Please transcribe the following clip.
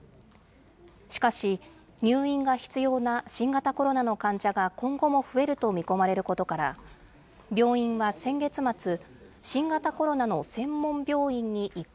しかし、入院が必要な新型コロナの患者が今後も増えると見込まれることから、病院は先月末、新型コロナの専門病院に移行。